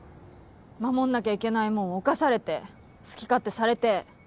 守んなきゃいけないもんを侵されて好き勝手されて。